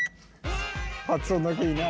発音だけいいな。